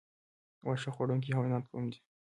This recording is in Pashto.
واښه خوړونکي حیوانات کوم دي؟